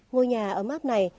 ngôi nhà ấm áp này